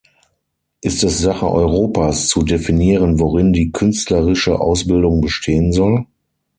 Ist es Sache Europas, zu definieren, worin die künstlerische Ausbildung bestehen soll?